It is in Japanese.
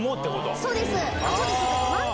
そうです。